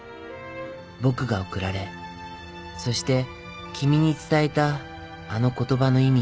僕が贈られそして君に伝えたあの言葉の意味を探しながら。